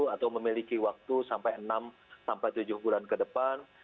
atau memiliki waktu sampai enam sampai tujuh bulan ke depan